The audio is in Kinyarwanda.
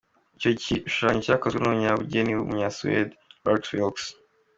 Icyo gishushanyo cyakozwe numunyabugeni wumunya Suede Lars Vilks.